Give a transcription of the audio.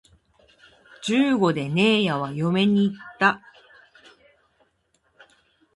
十五でねえやは嫁に行った